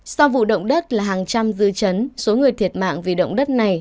sau vụ động đất là hàng trăm dư chấn số người thiệt mạng vì động đất này